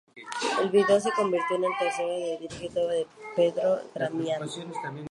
El vídeo se convirtió en el tercero que dirigió Pedro Damián.